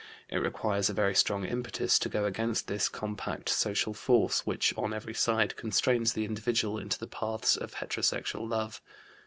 It requires a very strong impetus to go against this compact social force which, on every side, constrains the individual into the paths of heterosexual love.